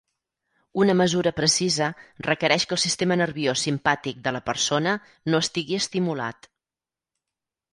Una mesura precisa requereix que el sistema nerviós simpàtic de la persona no estigui estimulat.